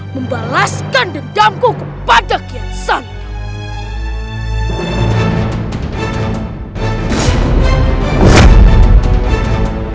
membalaskan dendamku kepada kian santu